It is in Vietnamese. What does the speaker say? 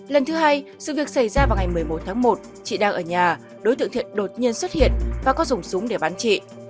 lần thứ hai sự việc xảy ra vào ngày một mươi một tháng một chị đang ở nhà đối tượng thiện đột nhiên xuất hiện và có dùng súng để bắn chị